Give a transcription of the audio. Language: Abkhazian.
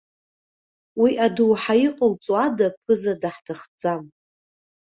Уи адоуҳа иҟалҵо ада ԥыза даҳҭахӡам.